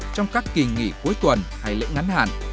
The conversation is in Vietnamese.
trong các kỳ nghỉ cuối tuần hay lễ ngắn hạn